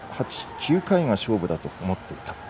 ７、８、９回が勝負だと思っていた。